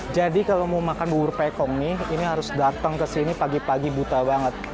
jadi kalau mau makan bubur pekong ini harus datang ke sini pagi pagi buta banget